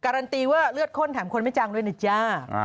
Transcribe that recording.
การันตีว่าเลือดข้นแถมคนไม่จางด้วยนะจ้า